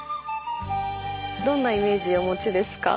どんなイメージお持ちですか？